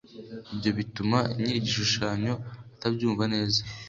ibyo bituma nyir igishushanyo atabyumva neza